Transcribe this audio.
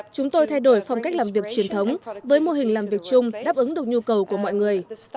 chúng tôi thay đổi phong cách làm việc truyền thống với mô hình làm việc chung đáp ứng được nhu cầu của mọi người